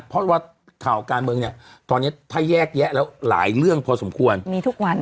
เพราะว่าข่าวการเมืองเนี่ยตอนนี้ถ้าแยกแยะแล้วหลายเรื่องพอสมควรมีทุกวัน